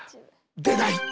出ない。